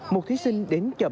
một thí sinh đến chậm